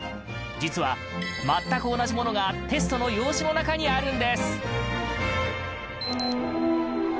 実は全く同じものがテストの用紙の中にあるんです！